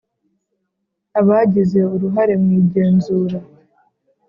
Abagize uruhare mu igenzura